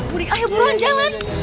budi ayo buruan jalan